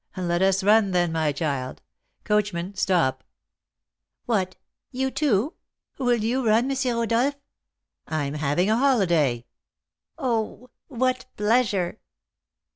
"Let us run, then, my child. Coachman, stop." "What! You, too? Will you run, M. Rodolph?" "I'm having a holiday." "Oh! What pleasure!"